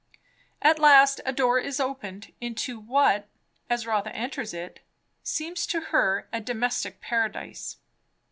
At last a door is opened, into what, as Rotha enters it, seems to her a domestic paradise.